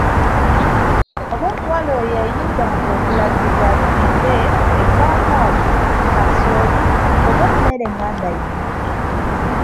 Oba omuwala oyo yayinzanga okulagibwa asimbe eppaapaali, kasooli, oba emmere enganda yonna.